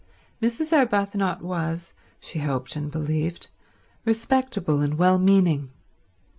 Mrs. Arbuthnot was, she hoped and believed, respectable and well meaning.